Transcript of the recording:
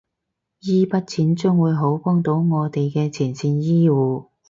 依筆錢將會好幫到我哋嘅前線醫護